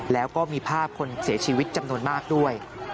แล้วก็มีภาพคนเสียชีวิตจำนวนมากด้วย